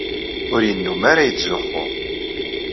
Ur yennumm ara yettzuxxu.